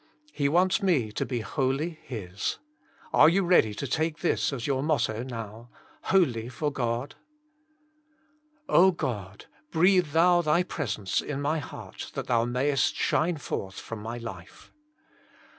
He wants me to be wholly His. Are you ready to take this as your motto now, Jesus Himself, 67 THUbolliJ for (3oD *'1 Grod, breathe Thou Thy presence in my heart that Thou mayest shine forth from my life.